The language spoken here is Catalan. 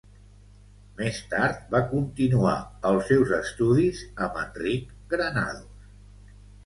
Més tard, va continuar els seus estudis amb Enric Granados.